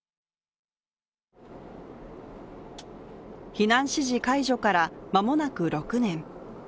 避難指示解除から間もなく６年。